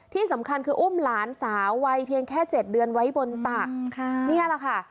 ที่สำคัญคืออุ้มหลานสาววัยเพียงแค่เจ็ดเดือนไว้บนตักค่ะนี่แหละค่ะ